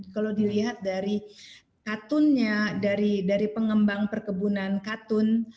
kalau dilihat dari katunnya dari pengembang perkebunan katun